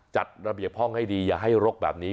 จัดระเบียบห้องให้ดีอย่าให้รกแบบนี้